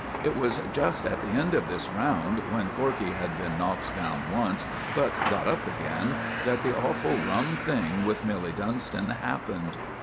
It was just at the end of this round, when Corkey had been knocked down once, but got up again, that the awful rum thing with Milly Dunston happened.